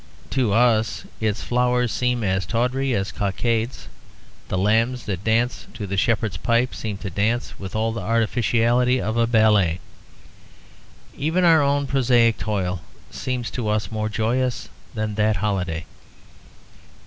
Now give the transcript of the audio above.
To us its flowers seem as tawdry as cockades; the lambs that dance to the shepherd's pipe seem to dance with all the artificiality of a ballet. Even our own prosaic toil seems to us more joyous than that holiday.